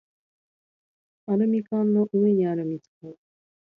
アルミ缶の上にある蜜柑